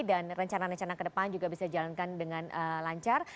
dan rencana rencana kedepan juga bisa dijalankan dengan lancar